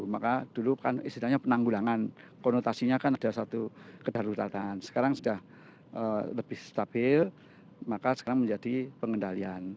maka dulu kan istilahnya penanggulangan konotasinya kan ada satu kedaruratan sekarang sudah lebih stabil maka sekarang menjadi pengendalian